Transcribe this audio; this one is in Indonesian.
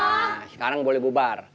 nah sekarang boleh bubar